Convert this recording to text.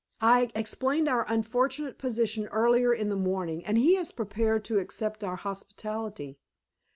"I explained our unfortunate position earlier in the morning, and he is prepared to accept our hospitality.